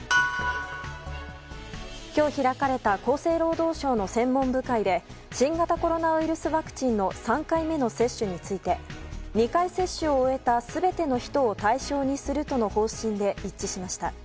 今日開かれた厚生労働省の専門部会で新型コロナウイルスワクチンの３回目の接種について２回、接種を終えた全ての人を対象にするとの方針で一致しました。